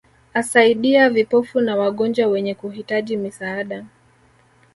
Asaidia vipofu na wagonjwa wenye kuhitaji misaada